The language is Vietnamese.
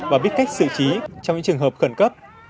và biết cách xử trí trong những trường hợp khẩn cấp